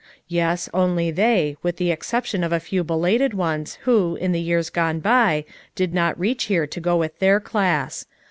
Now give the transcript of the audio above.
"Yes, only they, with the exception of a few belated ones who, in the years gone by, did not reach here to go with their class.